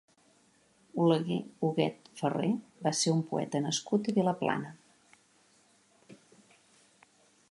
Oleguer Huguet Ferré va ser un poeta nascut a Vilaplana.